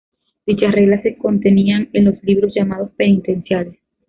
Dichas reglas se contenían en los libros llamados "penitenciales".